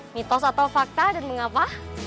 mitos atau fakta dan mengapa